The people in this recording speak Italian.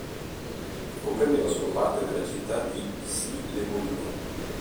Comprendeva solo parte della città di Issy-les-Moulineaux.